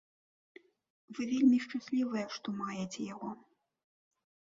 Вы вельмі шчаслівыя, што маеце яго.